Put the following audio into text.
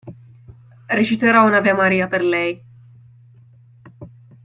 Reciterò un'Ave Maria per Lei.